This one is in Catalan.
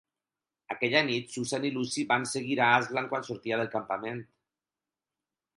Aquella nit, Susan i Lucy van seguir a Aslan quan sortia del campament.